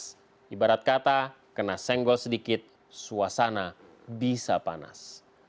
pas ibarat kata kena senggol sedikit suasana bisa panas